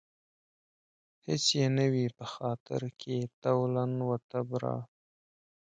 هېڅ يې نه وي په خاطر کې تولاً و تبرا